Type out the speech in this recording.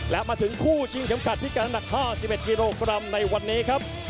และมาถึงคู่ชิงเข็มขัดพิการหนัก๕๑กิโลกรัมในวันนี้ครับ